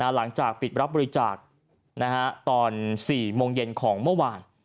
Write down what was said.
หลังจากปิดรับบริจาคตอน๔โมงเย็นของเมื่อวาน